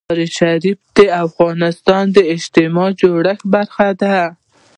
مزارشریف د افغانستان د اجتماعي جوړښت برخه ده.